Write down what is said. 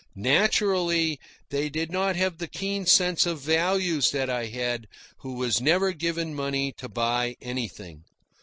Naturally, they did not have the keen sense of values that I had, who was never given money to buy anything.